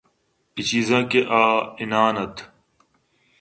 اے چیزاں کہ آوانان اَت